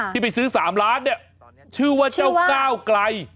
ที่ไปซื้อ๓ล้านเนี่ยชื่อว่าเจ้าก้าวไกล